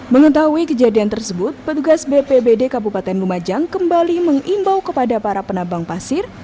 mengetahui kejadian tersebut petugas bpbd kabupaten lumajang kembali mengimbau kepada para penabang pasir